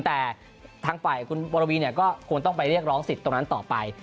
แต่ทางฝ่ายคุณบรวีเนี่ยก็ควรต้องไปเรียกร้องสิทธิ์ตรงนั้นต่อไป